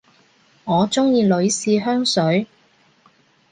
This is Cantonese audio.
我鍾意女士香水